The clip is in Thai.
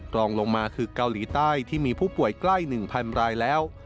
รองลงมาคือเกาหลีใต้ที่มีผู้ป่วยใกล้๑๐๐๐รายแล้ว